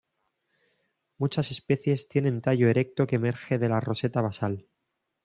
Muchas especies tienen tallo erecto que emerge de la roseta basal.